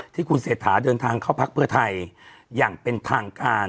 ที่คุณเศรษฐาเดินทางเข้าพักเพื่อไทยอย่างเป็นทางการ